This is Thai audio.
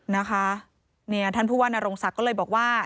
นะคะเนี่ยท่านผู้ว่านโรงศักดิ์ก็เลยบอกว่า